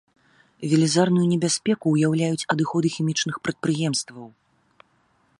Велізарную небяспеку ўяўляюць адыходы хімічных прадпрыемстваў.